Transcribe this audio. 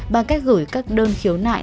bằng cách gửi các đơn khiếu nại